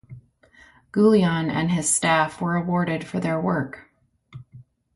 Gullion and his staff were awarded for their work.